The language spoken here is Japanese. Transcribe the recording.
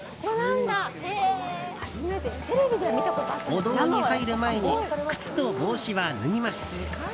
お堂に入る前に靴と帽子は脱ぎます。